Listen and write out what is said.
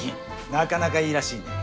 なかなかいいらしいね。